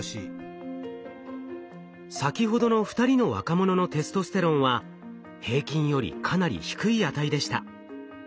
先ほどの２人の若者のテストステロンは平均よりかなり低い値でした。